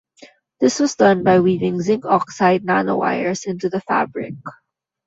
This was done by weaving zinc oxide nanowires into the fabric.